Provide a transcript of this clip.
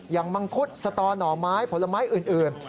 อย่างมังคุตสตอน่อไม้ผลไม้อื่น